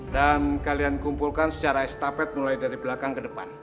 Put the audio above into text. dan kalian kumpulkan secara estafet mulai dari belakang ke depan